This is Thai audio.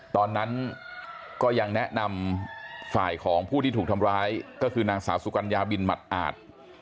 ตอนนั้นก็ยังแนะนำฝ่ายของผู้ที่ถูกทำร้ายก็คือนางสาวสุกัญญาบินหมัดอาจ